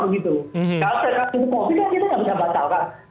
kalau terlalu banyak covid nya itu nggak bisa batalkan